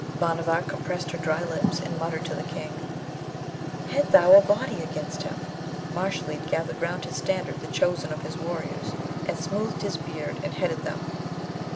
Bhanavar compressed her dry lips and muttered to the King, 'Head thou a body against him.' Mashalleed gathered round his standard the chosen of his warriors, and smoothed his beard, and headed them.